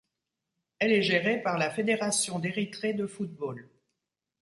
Elle est gérée par la Fédération d'Érythrée de football.